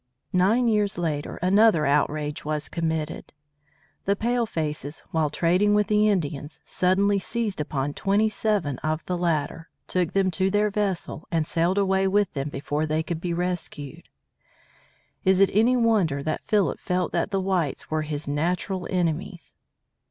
Nine years later, another outrage was committed. The palefaces while trading with the Indians suddenly seized upon twenty seven of the latter, took them to their vessel, and sailed away with them before they could be rescued. Is it any wonder that Philip felt that the whites were his natural enemies?